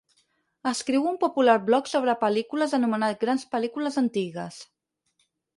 Escriu un popular blog sobre pel·lícules anomenat Grans pel·lícules antigues.